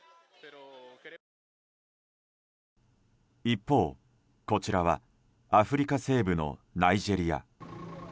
一方、こちらはアフリカ西部のナイジェリア。